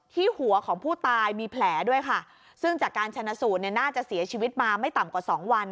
ที่หัวของผู้ตายมีแผลด้วยค่ะซึ่งจากการชนะสูตรเนี่ยน่าจะเสียชีวิตมาไม่ต่ำกว่าสองวัน